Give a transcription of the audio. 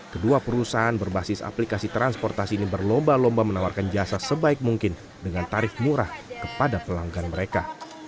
kedua perusahaan berbasis aplikasi transportasi ini berlomba lomba menawarkan jasa sebaik mungkin dengan tarif murah kepada pelanggan mereka